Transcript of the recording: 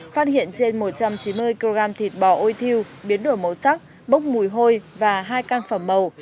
phát hiện trên một trăm chín mươi kg thịt bò ôi thiêu biến đổi màu sắc bốc mùi hôi và hai can phẩm màu